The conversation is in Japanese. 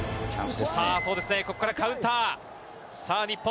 ここからカウンター、さぁ日本。